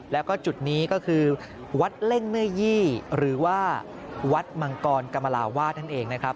แล้วก็จุดนี้ก็คือวัดเล่งเนื้อยี่หรือว่าวัดมังกรกรรมลาวาสนั่นเองนะครับ